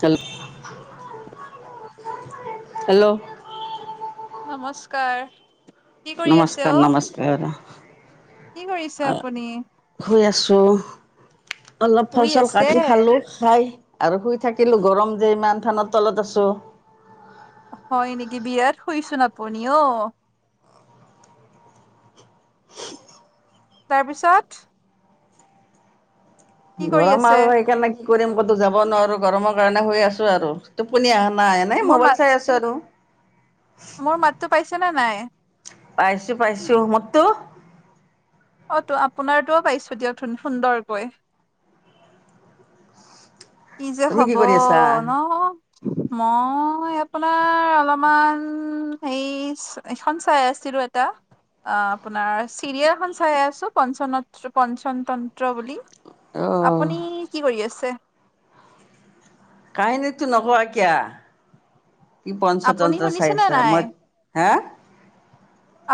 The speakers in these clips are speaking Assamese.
তেল হেল্ল নমস্কাৰ। কি কৰি আছে নমস্কাৰ অ? নমস্কাৰ কি কৰিছে আপুনি? শুই আছোঁ। অলপ ফল শুই চল আছে কাটি খালোঁ খাই আৰু শুই থাকিলোঁ গৰম যে ইমান ফেনৰ তলত আছোঁ। হয় নিকি বিয়াত শুইছোন আপুনি অ। তাৰপিছত কি কৰি গৰম আছে আৰু সেইকাৰণে কি কৰিম ক'তো যাব নোৱাৰো, গৰমৰ কাৰণে হৈ আছো আৰু। টোপনি আহা নাই এনে মোৰ মা মোবাইল চাই আছো আৰু। মোৰ মাতো পাইছে নে নাই? পাইছো পাইছো। মোৰতো? অ তো আপোনাৰটো পাইছো দিয়ক সুন্দৰকৈ। কি যে তুমি কি হব কৰি আছা ন? মই আপোনাৰ অলপমান য়েইছ এখন চাই আছিলো এটা। অ আপোনাৰ চিৰিয়েলখন চাই আছো পঞ্চনত পঞ্চনতন্ত্ৰ বুলি। অ আপুনি কি কৰি আছে? কাহিনীতটো নকোৱা কিয়া? কি আপুনি পঞ্চতন্ত্ৰ চাই শুনিছেনে আছা নাই মই, হা?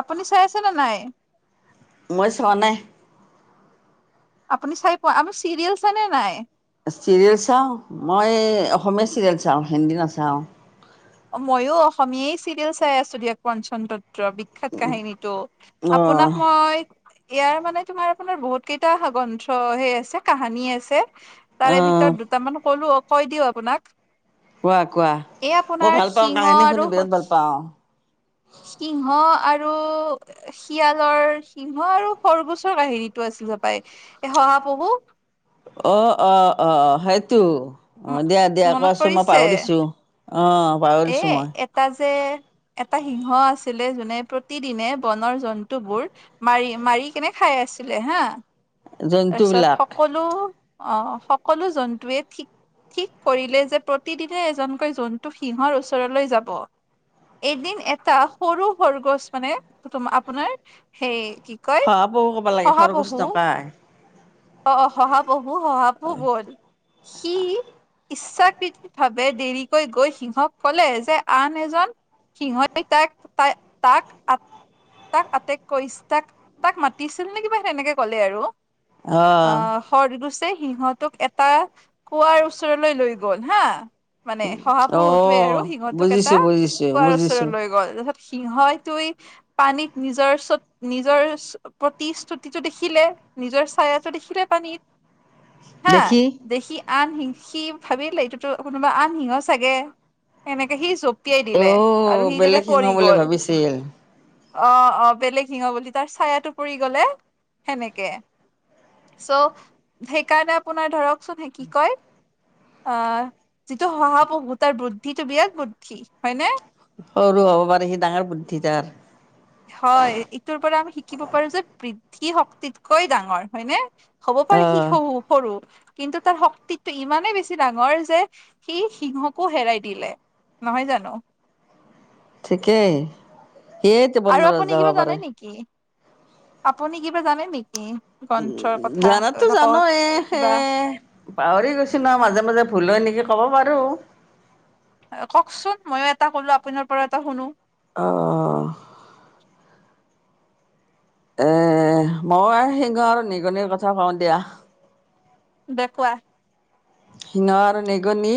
আপুনি চাই আছেনে নাই? মই চোৱা নাই। আপুনি চাই পোৱা, আমি চিৰিয়েল চাইনে নাই? চিৰিয়েল চাওঁ, মই অসমীয়া চিৰিয়েল চাওঁ, হিন্দী নাচাওঁ। মই অসমীয়েই চিৰিয়েল চাই আছো দিয়ক পঞ্চট্ৰন্ত বি খ্যাত কাহিনীটো, অ', আপোনাক মই ইয়াৰ মানে তোমাৰ আপোনাৰ বহুত কেইটা গ্ৰন্থ সেই আছে কাহানী আছে। তাৰে অ', ভিতৰত দুটা মান ক'লো কৈ দিও আপোনাক। কোৱা কোৱা? এই মই আপোনাৰ ভাল পাওঁ সিংহ কাহিনী আৰু শুনি বিৰাট ভাল পাওঁ। সিংহ আৰু শিয়ালৰ, সিংহ আৰু সৰগোছৰ কাহিনীতটো আছিল এ শহাপহু অ অ অ, সেইটো? অঁ দিয়া দিয়া মনত কোৱাচোন মই পৰিছে? পাহৰিছোঁ, অ এ পাহৰিছোঁ মই। এটা যে এটা সিংহ আছিলে যোনে প্ৰতিদিনে বনৰ জন্তুবোৰ মাৰি মাৰি কেনে খাই আছিলে হা, তাৰ পিছত জন্তুবিলাক। সকলো অহ সকলো জন্তুৱয়ে ঠিক ঠিক কৰিলে যে প্ৰতিদিনে এজনকৈ জন্তুক সিংহৰ ওচৰলৈ যাব। এদিন এটা সৰু সৰগছ মানে তোম আপোনাৰ হেই কি কয় সহাপহু ক'ব লাগে, সৰগোচ নকয়। অহ অহ সঁহাপহু সঁহাপহু বধ সি ইচ্ছাকৃতি ভাৱে দেৰিকৈ গৈ সিহক কলে যে আন এজন সিহই তাক তা তাক আপ তাক আটেক কৰি তাক তাক মাতিছিল নে কি বা তেনেকে ক'লে আৰু অ', আহ সৰগোছে সিহটোক এটা কুৱাৰ ওচৰলৈ লৈ গল হা মানে শহাপহুটোৱে অ', আৰু সিংহটোক এটা বুজিছোঁ বুজিছোঁ কাৰ ওচৰ বুজিছোঁ, লৈ গ'ল। সিংহটোৱে- পানীত নিজৰ, নিজৰ প্ৰতিশ্ৰুতিটো দেখিলে। নিজৰ ছায়াত- দেখিলে পানীত হা। দেখি দেখি- আন সিং সি ভাবিলে এইটোতো কোনোবা আন সিংহ চাগে। সেনেকে সি জপ- জপিয়াই দিলে অ', আৰু সি তাতে বেলেগ সিংহ পৰি বুলি গ'ল। ভাবিছিল, অঁ, অঁ বেলেগ সিংহ বুলি তাৰ ছায়াটো পৰি গ'লে, সেনেকে। চ' সেইকাৰণে আপোনাৰ ধৰকচোন কি কয়! অঁ, যিটো শহাঁপহু তাৰ বুদ্ধিটো বিৰাট বুদ্ধি, হয়নে? সৰু হ'ব পাৰে সি, ডাঙৰ বুদ্ধি তাৰ। হয়, এইটোৰ পৰা আমি শিকিব পাৰো যে বৃদ্ধি শক্তিতকৈ ডাঙৰ, হয়নে? হ'ব পাৰে সি অ', সৰু -সৰু। কিন্তু তাৰ শক্তিটো ইমানেই বেছি ডাঙৰ যে সি সিংহকো হেৰাই দিলে। নহয় জানো? ঠিকেই, সিয়েই তো বন ৰজা হ'ব পাৰে! কি? আপুনি কিবা জানে নেকি? গ্ৰন্থৰ উম, কথা জানাটো ক জানোৱে কিবা এ- পাহৰি গৈছো ন মাজে মাজে ভুল হয় নেকি, ক'ব পাৰোঁ। কওঁকচোন? মইয়ো এটা ক'লো আপোনাৰ পৰা এটা শুনো। অঁ। এ মই সিংহ আৰু নিগনিৰ কথা কওঁ দিয়া। দে কোৱা? সিংহ আৰু নিগনি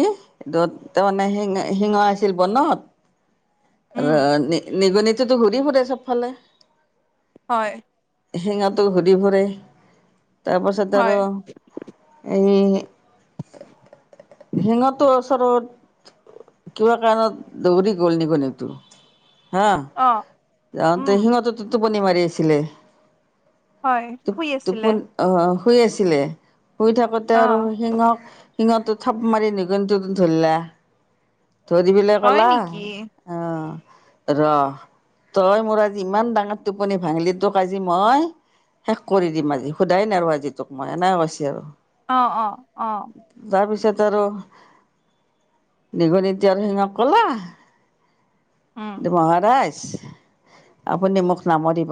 দু ত সিংহ সিংহ আছিল বনত। ৰ উম নি নিগনিতোটো ঘূৰি ফুৰে চবফালে। হয়। সিংহটো ঘূৰি ফুৰে তাৰপাছত হয় আৰু- এই- সিংহটোৰ ওচৰত কিবা কাৰণত দৌৰি গ'ল নিগনি- টো হা, অ যাওঁতে উম সিংহটোতো টোপনি মাৰি আছিলে। হয় টোপ শুই আছিলে টোপনি আহ শুই আছিলে, শুই থাকোতে- অ তেওঁ আৰু সিংহক সিংহটো থাপ মাৰি নিগুনিটো ধৰিলা। ধৰি পেলাই হয় কলা, নেকি আহ ৰহ- তই মোৰ আজি ইমান ডাঙৰ টোপনি ভাঙিলি, তোক আজি মই- শেষ কৰি দিম আজি, সোধাই নেৰু আজি তোক মই, এনে কৈছে আৰু। অঁ, অঁ, অঁ। তাৰপিছত আৰু- নিগনিটোৱে আৰু সিংহক ক'লা, - উম। মহাৰাজ আপুনি মোক নামাৰিব,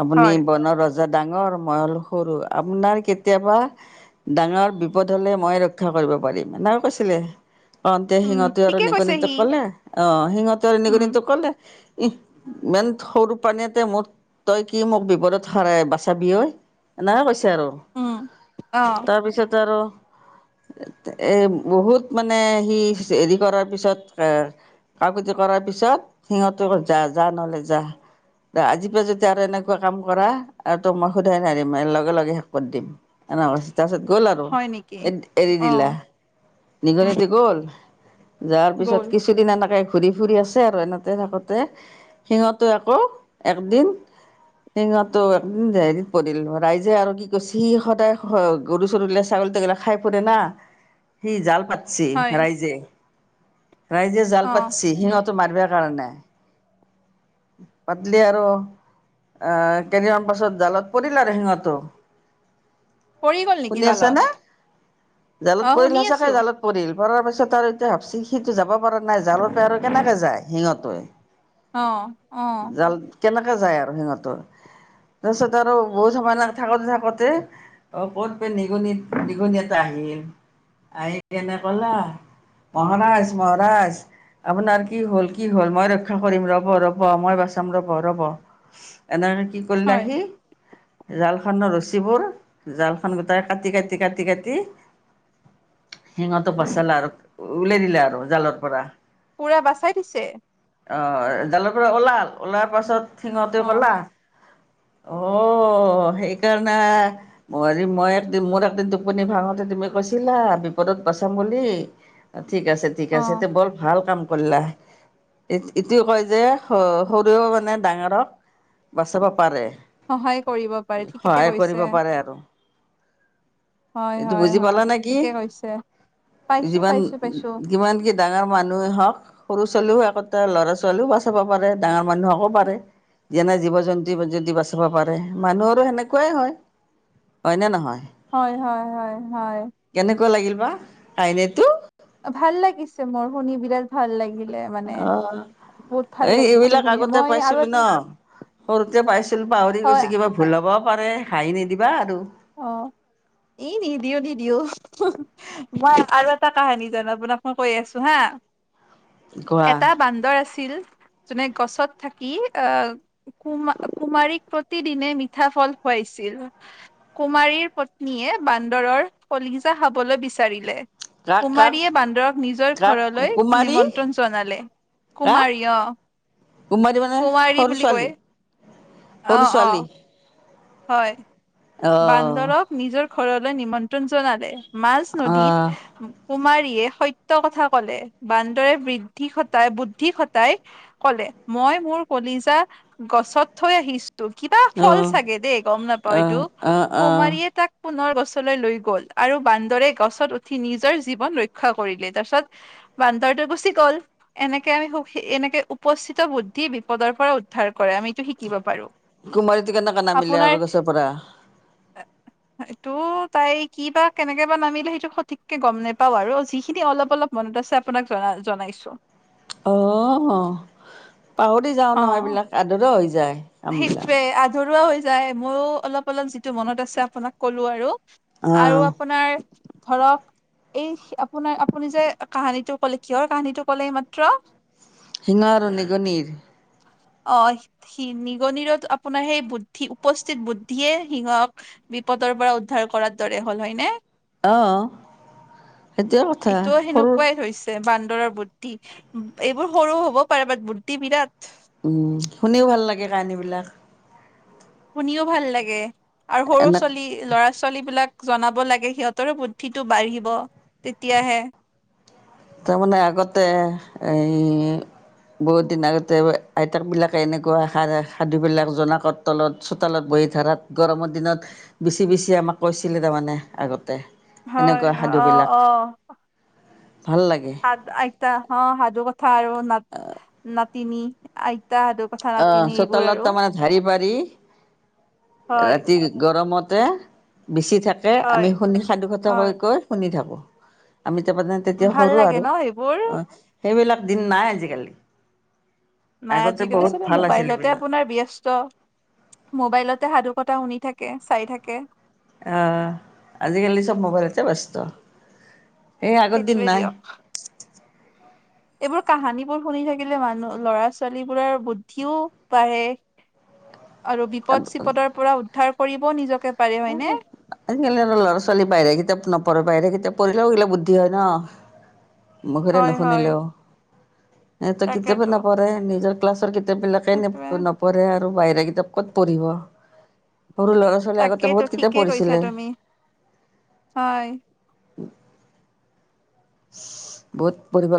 আপুনি হয় বনৰ ৰজা ন। জা ডাঙৰ, মই হ'লো সৰু। আপোনাৰ কেতিয়াবা- ডাঙৰ বিপদ হ'লে মই ৰক্ষা কৰিব পাৰিম, এনেকা কৈছিলে। কওঁতে উম সিংহটোৱে আৰু ঠিকে কৈছে সি নিগনিটোক কলে অঁ, সিংহটোৱে আৰু উম নিগনিটোক ক'লে - ইহ! ইমান সৰু প্ৰানীটোৱে মোৰ তই কি মোক বিপদত সৰাই বাচাবি। এনেকে কৈছে আৰু। উম অ তাৰপিছত আৰু এ বহুত মান নে সি হেৰি কৰাৰ পিছত এ কাকোতি কৰাৰ পিছত সিহঁতকো যা যা নহ'লে যা আজিৰ পৰা যদি আৰু এনেকুৱা কাম কৰা আৰু তোক মই সোধাই নেৰিম লগে লগে শেষ কৰি দিম এনেকা কৈছে তাৰ পিছত গ'ল আৰু হয় নেকি এ এৰি অ দিলা উম নিগনিটোৱে গ'ল যোৱাৰ গ'ল পিছত কিছ দিন এনেকাই ঘূৰি ফুৰি আছে আৰু এনেতে থাকোতে সিংহটোও আকৌ একদিন সিংহটো একদম হেৰিত পৰিল ৰাইজে আৰু কি কৰিছে সি সদায় স গৰু চৰো গিলা ছাগলী তাগলিক খাই ফুৰে না সি জাল পাতছি হয় ৰাইজে ৰাইজে জাল অ পাতিছি সিংহত তো মাৰিব কাৰণে পাতলে আৰু আহ কেইদিনমান পাছত জালত পৰিল আৰু সিংহটো পৰি গল নেকি নে জালত জালত অ পৰিল শুনি সঁচাকে আছো জালত পৰিল পৰাৰ পিছত আৰু এতিয়া ভাবচি সিটো যাব পৰা নাই জালৰ পৰা আৰু কেনেকে যায় সিংহটোৱে [inaudible] অ জাল কেনেকে যায় আৰু সিংহতোৰ তাৰ পিছত আৰু বহুত সময় [unintelligible] থাকতে থাকতে অ ক'ৰ পে নিগনিত নিগনি এটা আহিল আহি কেনে কলা মহাৰাজ মহাৰাজ আপোনাৰ কি হল কি হ'ল মই ৰক্ষা কৰিম ৰ'ব ৰ'ব মই বাচাম ৰ'ব ৰ'ব এনেকে কি কৰিলে হয় আহি জালখনৰ ৰচীবোৰ জালখন গোটাই কাটি কাটি কাটি কাটি সিংহতো বচালা আৰু উওলাই দিলে আৰু জালৰ পৰা পুৰা বাচাই দিছে আহ জালৰ পৰা ওলাল ওলাৰ পাছত অ সিংহতে ক'লা অ অ সেইকাৰণে হেৰি মই একদিন মোৰ একদিন টোপনি ভাঙোতে তুমি কৈছিলা বিপদত বচাম বুলি ঠিক আছে অ ঠিক আছে আ বৰ ভাল কাম কৰিলা ইটোৱে কয় যে স সৰুও মানে ডাঙৰক বাচাবা পাৰে কৰিব পাৰে ঠিকে সহায় কৈছে কৰিব পাৰে আৰু হয় হয় হয় গ'লা নেকি ঠিকে কৈছে পাইছো যিমান পাইছো পাইছো কিমান কিত ডাঙৰ মানুহেই হওক সৰু ছোৱালীও একতা ল'ৰা ছোৱালীও বচাবা পাৰে ডাঙৰ মানুহ হওকো পাৰে যেনে জীৱ জন্তু যদি বাচাব পাৰে মানুহৰো সেনেকুৱাই হয় হয়নে নহয় হয় হয় হয় হয় কেনেকুৱা লাগিল বা কাহিনীটো ভাল লাগিছে মোৰ শুনি বিৰাট ভাল লাগিল অ এই লাগিছে এইবিলাক শুনি আগতে মই আৰু পাইছিলো ন সৰুতে পাইছিলো পাহৰি হয় গৈছে কিবা ভুল হ'ব পাৰে হাঁহি নিদিবা আৰু অ এ নিদিও নিদিও মই আৰু এটা কাহানী জনাও আপোনাক মই কৈ আছো হা এটা কোৱা বান্দৰ আছিল যোনে গছত থাকি আহ কুমা কুমাৰীক প্ৰতিদিনে মিঠা ফল খুৱাইছিল। কুমাৰীৰ পত্নীয়ে বান্দৰৰ কলিজা খাবলৈ বিচাৰিলে কাক কাক কুমাৰীয়ে বান্দৰক নিজৰ কাক ঘৰলৈ কুমাৰী নিমন্ত্ৰণ জনালে কাক কুমাৰী অ কুমাৰী মানে কুমাৰী সৰু বুলি ছোৱালী কয়, সৰু অ', ছোৱালী অ', হয় অঁ বান্দৰক নিজৰ ঘৰলৈ নিমন্ত্ৰণ জনালে মাজ অঁ নদীত কুমাৰীয়ে সত্য কথা কলে বান্দৰে বৃদ্ধি ঘটাই বুদ্ধি ঘটাই কলে মই মোৰ কলিজা গছত থৈ আহিছো ত কিবা ফল অঁ চাগে দেই গম নাপাওঁ অঁ এইটোক অঁ অঁ কুমাৰীয়ে তাক পুনৰ গছলৈ লৈ গল আৰু বান্দৰে গছত উঠি নিজৰ জীৱন ৰক্ষা কৰিলে তাৰ পিছত বান্দাৰটো গুচি গ'ল এনেকে আমি সুখ এনেকে উপস্থিত বুদ্ধি বিপদৰ পৰা উদ্ধাৰ কৰে আমি এইটো শিকিব পাৰো কুমাৰীটো কেনে কা নামিলে আপোনাৰ আৰু গছৰ পৰা এইটো তাই কি বা কেনেকে বা নামিলে সেইটো সঠিককে গম নেপাও আৰু যিখিনি অলপ অলপ মনত আছে আপোনাক জনা জনাইছো অঁ পাহৰি যাওঁ অ নহয় এইবিলাক আধৰা হৈ যায় কামবিলাক সেইটোৱে আধৰুৱা হৈ যায় মইও অলপ অলপ যিটো মনত আছে আপোনাক কলো আৰু অঁ আৰু আপোনাৰ ধৰক এই আপোনাৰ আপুনি যে কাহিনীটো ক'লে, কিহৰ কাহিনীটো ক'লে এইমাত্ৰ। সিংহ আৰু নিগনিৰ। অ সি সি নিগনিৰো আপোনাৰ সেই বুদ্ধি উপস্থিত বুদ্ধিয়ে সিহক। বিপদৰ পৰা উদ্ধাৰ কৰাৰ দৰে হ'ল হয়নে। অ', সেইটোৱে কথা এইটোও সৰু। সেনেকুৱাই হৈছে বান্দৰৰ বুদ্ধি এইবোৰ সৰু হ'বও পাৰে বাট বুদ্ধি বিৰাট। উম শুনিও ভাল লাগে কাহানী বিলাক। শুনিও ভাল লাগে আৰু সৰু এনে ছোৱালী। ল'ৰা ছোৱালীবিলাক জনাব লাগে সেইহঁতৰো বুদ্ধিটো বাঢ়িব তেতিয়া হে তাৰমানে আগতে এই বহুত দিন আগতে আইতাকবিলাকে এনেকুৱা সা সাধুবিলাক জনাকত। তলত চোতালত বহি ধাৰাত গৰমত দিনত বিছি বিছি আমাক কৈছিল তামানে আগতে। হয় এনেকুৱা সাধু অ বিলাক। অ'। ভাল লাগে। তাত আইতা অ সাধু কথা আৰু না নাতিনী আইতা সাধু কথা নাতিন এইবোৰ আৰু। ধাৰী পাৰি। হয় ৰাতি গৰমতে বিছি থাক তাতে হয় আমি শুনি সাদু কথা হয় কৈ কৈ শুনি থাকোঁ আমি তামানে তেতিয়া ভাল সৰু লাগে আৰু ন সেইবোৰ অ' সেইবিলাক দিন নাই আজি কালি। নাই আজিকালি চবে মোবাইলতে আপোনাৰ ব্যস্ত। মোবাইলতে সাধু কথা শুনি থাকে চাই থাকে। অ', আজিকালি চব মোবাইলতে ব্যস্ত, এই আগৰ দিন সেইটোৱে নাই। দিয়ক এইবোৰ কাহিনীবোৰ শুনি থাকিলে মানুহ ল'ৰা-ছোৱালীবোৰৰ বুদ্ধি ও বাঢ়ে আৰু বিপদ চিপদৰ পৰা উদ্ধাৰ কৰিবও নিজকে পাৰে হয়নে? এ আজিকালিৰ ল'ৰা-ছোৱালী বাহিৰৰ কিতাপ নপঢ়ে, বাহিৰৰ কিতাপ পঢ়িলে ও এইবিলাক বুদ্ধি হয় ন'। মুখেৰে হয় হয়। নুশুনিলেও। সিহঁতৰ কিতাপে তাকেতো নপঢ়ে নিজৰ ক্লাছৰ কিতাপ বিলাকে নপ সেইটোৱে নপ। নপঢ়ে আৰু বাহিৰা কিতাপ ক'ত পঢ়িব সৰু ল'ৰা ছোৱালী আগত। সেইটো ঠিকেই কৈছা তুমি হয়। বহুত পঢ়িব